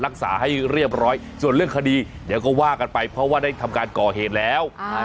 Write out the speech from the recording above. ให้เรียบร้อยส่วนเรื่องคดีเดี๋ยวก็ว่ากันไปเพราะว่าได้ทำการก่อเหตุแล้ว